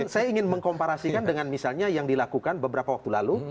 saya ingin mengkomparasikan dengan misalnya yang dilakukan beberapa waktu lalu